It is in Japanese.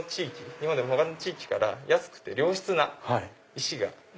今でも他の地域から安くて良質な石が。